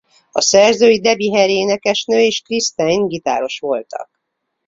A szerzői Debbie Harry énekesnő és Chris Stein gitáros voltak.